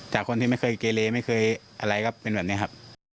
จากคนที่ไม่เคยเกเลไม่เคยอะไรก็เป็นแบบนี้ครับ